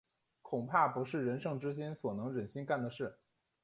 恐怕不是仁圣之人所能忍心干的事。